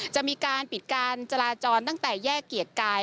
จะมีการปิดการจราจรตั้งแต่แยกเกียรติกาย